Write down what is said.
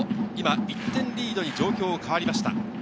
１点リードに状況が変わりました。